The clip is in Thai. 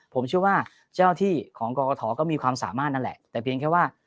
ผมเชื่อว่าเจ้าที่ของกรกฐก็มีความสามารถนั่นแหละแต่เพียงแค่ว่า